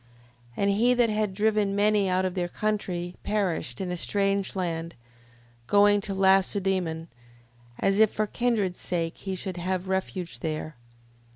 And he that had driven many out of their country perished in a strange land, going to Lacedemon, as if for kindred sake he should have refuge there: 5:10.